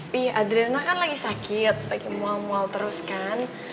pi adriana kan lagi sakit lagi mual mual terus kan